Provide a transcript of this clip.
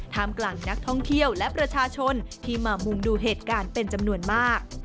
กลางนักท่องเที่ยวและประชาชนที่มามุงดูเหตุการณ์เป็นจำนวนมาก